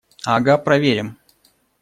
Ага, проверим!